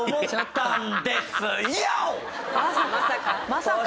まさか？